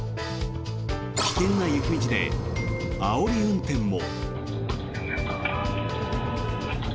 危険な雪道で、あおり運転も。